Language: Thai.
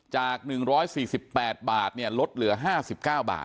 จาก๑๔๘บาทลดเหลือ๕๙บาท